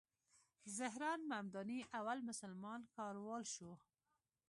زهران ممداني اول مسلمان ښاروال شو.